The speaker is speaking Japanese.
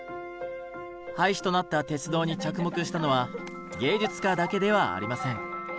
廃止となった鉄道に着目したのは芸術家だけではありません。